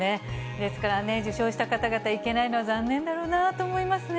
ですから、受賞した方々、行けないのは残念だろうなと思いますね。